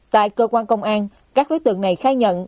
tại cơ quan công an các đối tượng này khai nhận